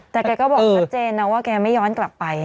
แต่แกก็บอกชัดเจนนะว่าแกไม่ย้อนกลับไป